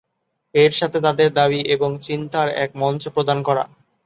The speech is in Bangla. এর সাথে তাঁদের দাবী এবং চিন্তার এক মঞ্চ প্রদান করা।